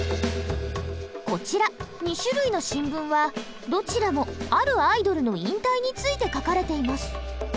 こちら２種類の新聞はどちらもあるアイドルの引退について書かれています。